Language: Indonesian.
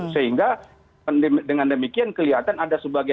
sehingga dengan demikian kelihatan ada sebagian